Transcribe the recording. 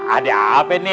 ada apa ini